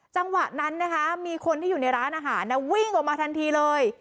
จังหวะนั้นนะคะมีคนที่อยู่ในร้านอาหารวิ่งออกมาทันทีเลย